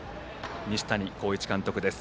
西谷浩一監督です。